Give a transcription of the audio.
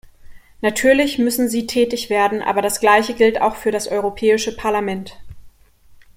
Natürlich müssen sie tätig werden, aber das Gleiche gilt auch für das Europäische Parlament.